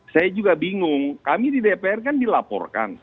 saya juga bingung kami di dpr kan dilaporkan